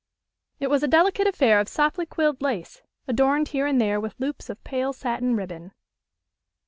It was a delicate affair of softly quilled lace, adorned here and there with loops of pale satin ribbon.